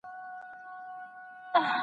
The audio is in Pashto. د پوهي رڼا هر کور ته رسیدلې وه.